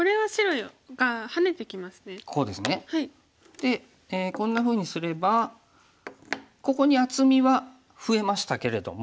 でこんなふうにすればここに厚みは増えましたけれども。